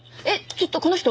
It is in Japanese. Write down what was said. ちょっとこの人！